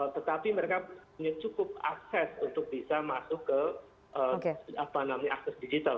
tetapi mereka punya cukup akses untuk bisa masuk ke akses digital